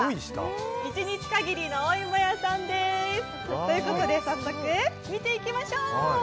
一日限りのお芋屋さんです。ということで早速、見ていきましょう。